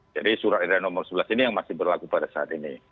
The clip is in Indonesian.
jadi surat edaran nomor sebelas ini yang masih berlaku pada saat ini